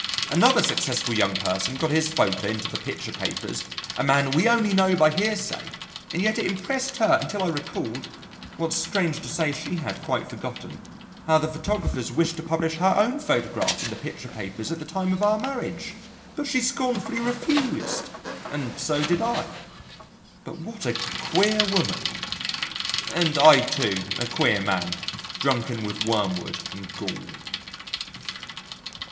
Another successful young person got his photo into the picture papers a man we know only by hearsay, and yet it impressed her until I recalled, what strange to say she had quite forgotten, how the photographers wished to publish her own photograph in the picture papers at the time of our marriage. But she scornfully refused. (And so did I.) But what a queer woman!... [And I, too, a queer man, drunken with wormwood and gall.